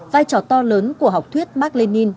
vai trò to lớn của học thuyết mark lenin